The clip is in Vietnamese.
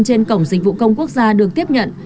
trên cổng dịch vụ công quốc gia được tiếp nhận